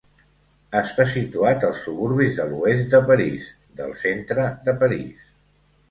Està situat als suburbis de l'oest de París, del centre de París.